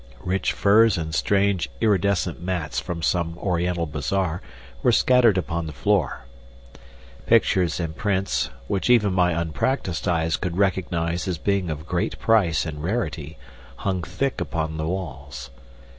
Rich furs and strange iridescent mats from some Oriental bazaar were scattered upon the floor. Pictures and prints which even my unpractised eyes could recognize as being of great price and rarity hung thick upon the walls.